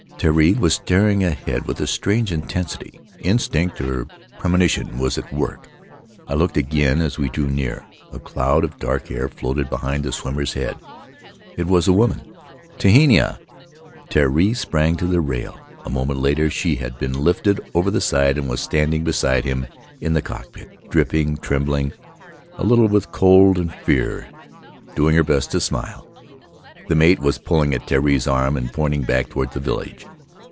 'Terii was staring ahead with a strange intensity — instinct or premonition was at work. I looked again as we drew near; a cloud of dark hair floated behind the swimmer's head; it was a woman — Tehina! Terii sprang to the rail. A moment later she had been lifted over the side and was standing beside him in the cockpit, dripping, trembling a little with cold and fear, doing her best to smile. The mate was pulling at Tern's arm and pointing back toward the village.